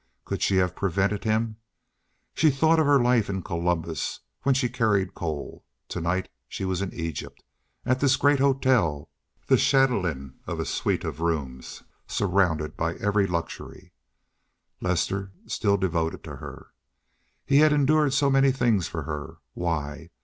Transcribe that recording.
Could she have prevented him? She thought of her life in Columbus, when she carried coal; to night she was in Egypt, at this great hotel, the chatelaine of a suite of rooms, surrounded by every luxury, Lester still devoted to her. He had endured so many things for her! Why?